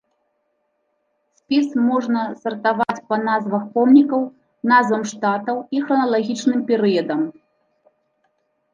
Спіс можна сартаваць па назвах помнікаў, назвам штатаў і храналагічным перыядам.